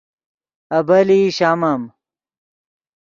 ابیلئی شامم